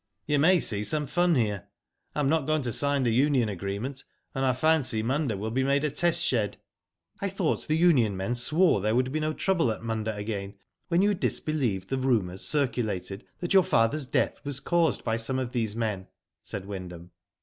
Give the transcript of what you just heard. You may see some fun here. I am not going to sign the union agreement, and I fancy Munda will be made a test shed." *'I thought the union men swore there would be no trouble at Munda again, when you dis believed the rumours circulated that your father's death was caused by some of these men," said Wyndham.